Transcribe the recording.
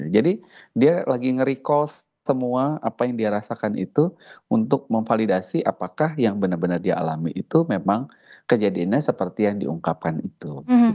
jadi dia lagi nge recall semua apa yang dia rasakan itu untuk memvalidasi apakah yang benar benar dia alami itu memang kejadiannya seperti yang diungkapkan itu